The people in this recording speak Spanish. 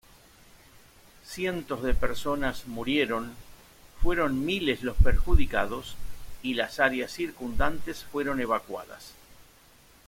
Cientos de personas murieron, fueron miles los perjudicados y las áreas circundantes fueron evacuadas".